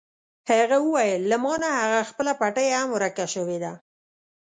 هغه وویل: له ما نه هغه خپله پټۍ هم ورکه شوې ده.